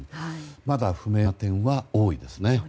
まだ不明な点が多いですね。